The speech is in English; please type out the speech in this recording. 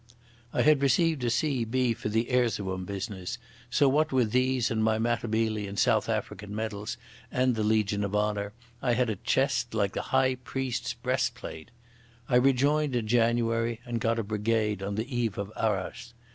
I had received a C.B. for the Erzerum business, so what with these and my Matabele and South African medals and the Legion of Honour, I had a chest like the High Priest's breastplate. I rejoined in January, and got a brigade on the eve of Arras.